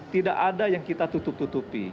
tidak ada yang kita tutup tutupi